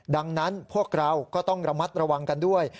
ดังนั้นพวกเราก็ต้องระมัดระวังกันด้วย